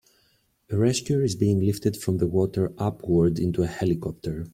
A rescuer is being lifted from the water upward into a helicopter.